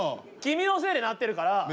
君のせいでなってるから。